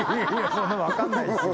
そんなのわかんないっすよ